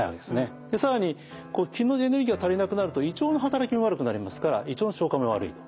で更に気のエネルギーが足りなくなると胃腸の働きも悪くなりますから胃腸の消化も悪い。